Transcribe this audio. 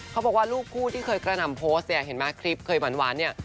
เขาบอกว่ารูปคู่ที่เคยกระหน่ำโพสต์เนี่ยเห็นไหมคลิปเคยหวานเนี่ย